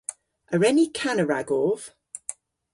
A wren ni kana ragov?